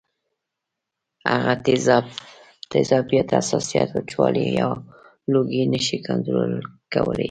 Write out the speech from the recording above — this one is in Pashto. هغه تیزابیت ، حساسیت ، وچوالی یا لوګی نشي کنټرول کولی